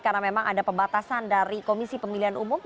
karena memang ada pembatasan dari komisi pemilihan umum